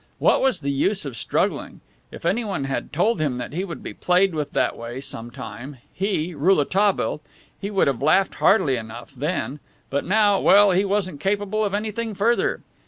What was the use of struggling! If anyone had told him that he would be played with that way sometime, he, Rouletabille! he would have laughed heartily enough then. But now, well, he wasn't capable of anything further.